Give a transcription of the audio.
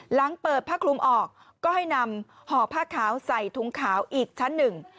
หลังเปิดผ้าคลุมออกก็ให้นำห่อผ้าขาวใส่ถุงขาวอีกชั้นหนึ่ง